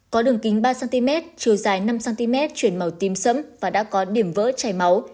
có đường kính ba cm chiều dài năm cm chuyển màu tím sẫm và đã có điểm vỡ chảy máu